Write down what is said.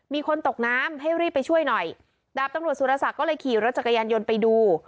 มีคนตกน้ำให้รีบไปช่วยหน่อยดาบตำรวจสุรศักดิ์ก็เลยขี่รถจักรยานยนต์ไปดู